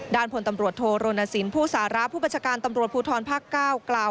ด้านพลตำรวจโทรณสินผู้สาระผู้บัชการตำรวจภูทรภาคเก้า